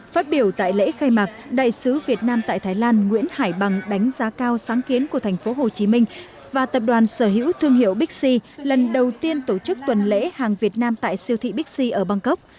phát biểu tại lễ khai mạc đại sứ việt nam tại thái lan nguyễn hải bằng đánh giá cao sáng kiến của tp hcm và tập đoàn sở hữu thương hiệu bixi lần đầu tiên tổ chức tuần lễ hàng việt nam tại siêu thị bixi ở bangkok